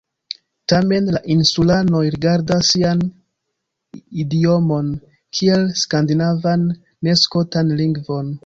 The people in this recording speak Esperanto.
Tamen, la insulanoj rigardas sian idiomon kiel skandinavan, ne skotan lingvon.